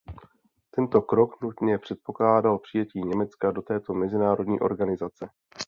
Tento krok nutně předpokládal přijetí Německa do této mezinárodní organizace.